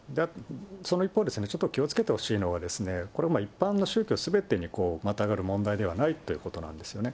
その一方、ちょっと気をつけてほしいのは、これは一般の宗教すべてにまたがる問題ではないということなんですよね。